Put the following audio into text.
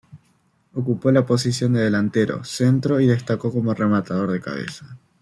Ocupó la posición de delantero centro y destacó como rematador de cabeza.